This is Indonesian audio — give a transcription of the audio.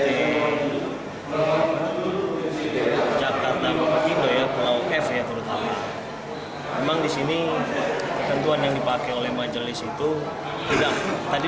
pertama di pulau f memang di sini ketentuan yang dipakai oleh majelis itu tidak